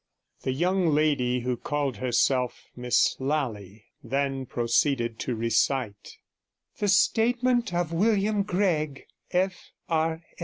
The young lady who called herself Miss Lally then proceeded to recite The statement of William Gregg, F.R.